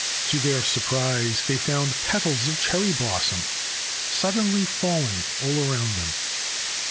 To their surprise, they found petals of cherry blossom suddenly falling all round them.